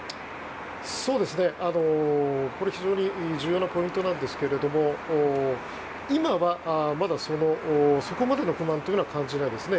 非常に重要なポイントなんですが今は、まだそこまでの不満は感じないですね。